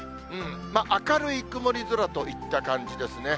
明るい曇り空といった感じですね。